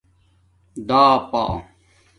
داپݳ